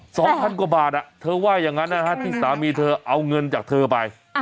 สองพันกว่าบาทอ่ะเธอว่าอย่างนั้นนะฮะที่สามีเธอเอาเงินจากเธอไป